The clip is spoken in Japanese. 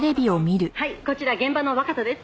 「はいこちら現場の若田です」